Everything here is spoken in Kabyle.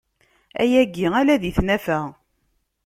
Ayagi ala di tnafa.